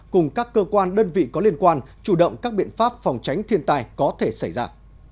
cùng các cơ quan đơn vị có liên quan chủ động các biện pháp phòng tránh thiên tai có thể xảy ra